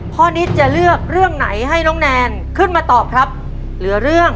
นิดจะเลือกเรื่องไหนให้น้องแนนขึ้นมาตอบครับเหลือเรื่อง